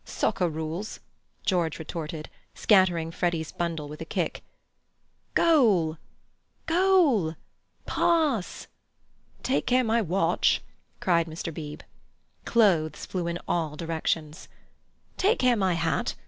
"Socker rules," George retorted, scattering Freddy's bundle with a kick. "Goal!" "Goal!" "Pass!" "Take care my watch!" cried Mr. Beebe. Clothes flew in all directions. "Take care my hat!